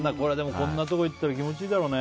こんなところ行ったら気持ちいいだろうね。